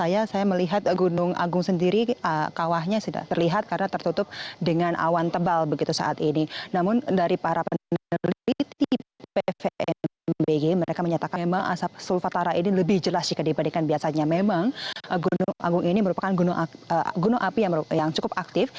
yang lebih baik